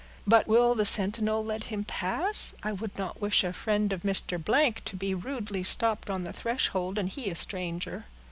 "But will the sentinel let him pass? I would not wish a friend of Mr.—to be rudely stopped on the threshold, and he a stranger."